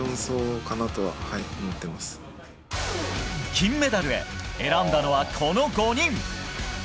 金メダルへ選んだのはこの５人。